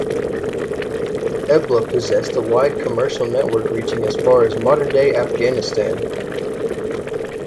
Ebla possessed a wide commercial network reaching as far as modern-day Afghanistan.